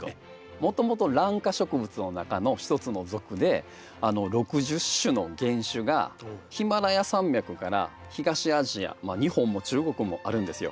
もともとラン科植物の中のひとつの属で６０種の原種がヒマラヤ山脈から東アジア日本も中国もあるんですよ。